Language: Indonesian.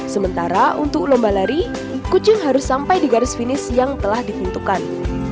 sementara untuk lomba lari kucing harus sampai di garis finish yang telah ditentukan